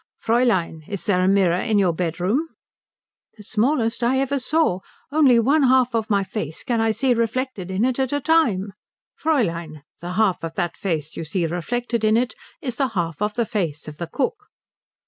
"Fräulein, is there a mirror in your bedroom?" "The smallest I ever saw. Only one half of my face can I see reflected in it at a time." "Fräulein, the half of that face you see reflected in it is the half of the face of the cook."